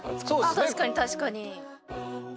あ確かに確かに。